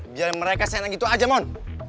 biarin mereka senang gitu aja mon